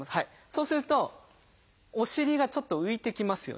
そうするとお尻がちょっと浮いてきますよね。